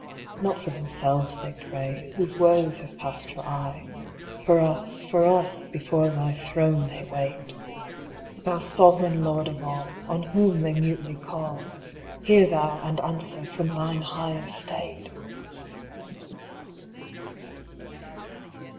Not for themselves they pray Whose woes have passed for aye ; For us, for us, before Thy throne they wait ! Thou Sovereign Lord of All, On whom they mutely call, Hear Thou and answer from thine high estate